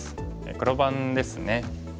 黒番ですね。